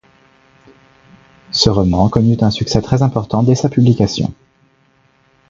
Ce roman connut un succès très important dès sa publication.